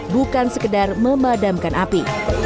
bukan sekedar memadamkan api